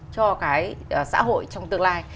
cho cái xã hội trong tương lai